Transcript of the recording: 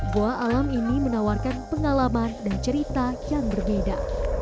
gua alam ini menawarkan pengalaman dan cerita yang berbeda